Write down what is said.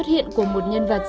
chúng mình hát bài